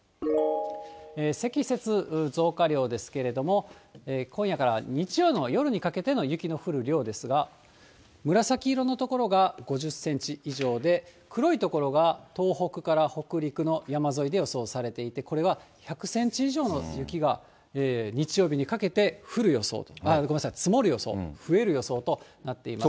積雪増加量ですけれども、今夜から日曜の夜にかけての雪の降る量ですが、紫色の所が５０センチ以上で、黒い所が東北から北陸の山沿いで予想されていて、これは１００センチ以上の雪が、日曜日にかけて降る予想と、ごめんなさい、積もる予想、増える予想となっています。